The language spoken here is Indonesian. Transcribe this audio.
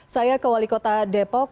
saya ke wali kota depok